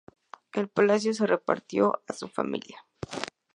El palacio se repartió a su familia.